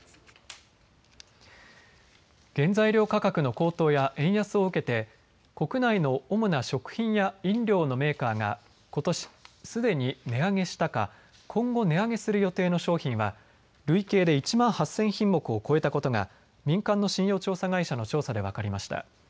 原材料価格の高騰や円安を受けて国内の主な食品や飲料のメーカーが、ことしすでに値上げしたか今後値上げする予定の商品は累計で１万８０００品目を超えたことが民間の信用調査会社の調査で分かりました。